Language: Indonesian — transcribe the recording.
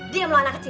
diam lo anak kecil